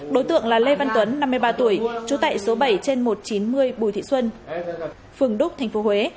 đối tượng là lê văn tuấn năm mươi ba tuổi chú tệ số bảy trên một trăm chín mươi bùi thị xuân phường đúc tp huế